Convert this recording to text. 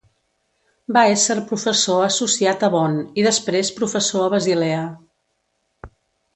Va ésser professor associat a Bonn, i després professor a Basilea.